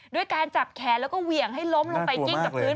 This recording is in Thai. ด้วยการจับแขนแล้วก็เหวี่ยงให้ล้มลงไปกิ้งกับพื้น